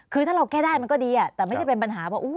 คือถ้าเราแก้ได้มันก็ดีแต่ไม่ใช่เป็นปัญหาว่า